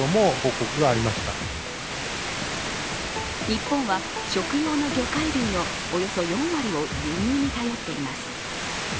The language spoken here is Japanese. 日本は食用の魚介類のおよそ４割を輸入に頼っています。